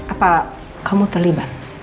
apa kamu terlibat